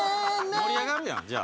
盛り上がるやんじゃあ。